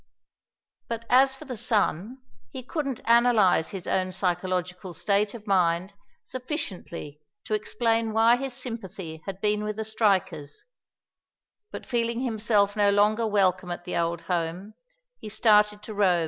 But as for the son, he couldn't analyze his own psychological state of mind sufficiently to explain why his sympathy had been with the strikers, but feeling himself no longer welcome at the old home, he started to roam.